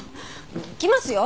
行きますよ！